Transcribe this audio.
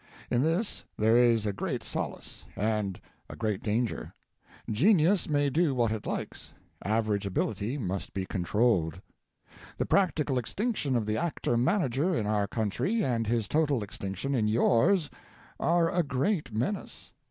In this there is a great solace and a great danger. Genius may do what it likes. Average ability must be controlled. The practical extinction of the actor manager in our country and his total extinction in your are a great menace.